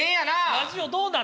ラジオどうなん？